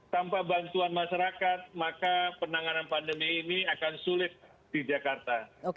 tanpa bantuan masyarakat maka penanganan pandemi ini akan sulit di jakarta